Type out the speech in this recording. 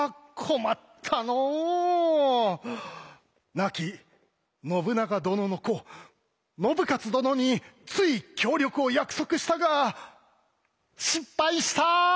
亡き信長殿の子信雄殿につい協力を約束したが失敗した！